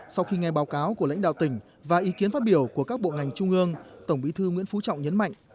sau khi nghe báo cáo của lãnh đạo tỉnh và ý kiến phát biểu của các bộ ngành trung ương tổng bí thư nguyễn phú trọng nhấn mạnh